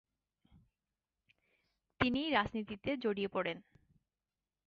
তিনি রাজনীতিতে জড়িয়ে পড়েন।